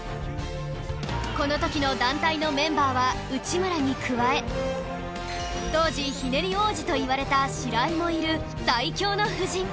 この時の団体のメンバーは内村に加え当時ひねり王子といわれた白井もいる最強の布陣